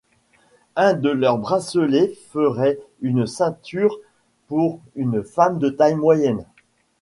Un de leurs bracelets ferait une ceinture pour une femme de taille moyenne.